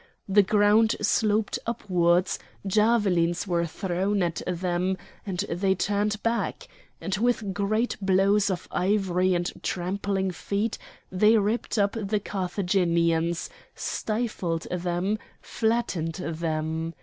The ground sloped upwards, javelins were thrown at them, and they turned back;—and with great blows of ivory and trampling feet they ripped up the Carthaginians, stifled them, flattened them.